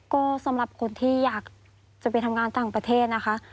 ก็สำหรับคนที่อยากจะไปทำงานต่างประเทศนะคะ